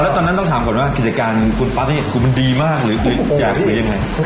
ตอนนั้นต้องถามก่อนว่ากิจการคุณปั๊บนี่คุณมันดีมากหรือแจกหรือยังไง